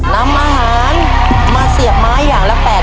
นำอาหารมาเสียบไม้อย่างละ๘๐๐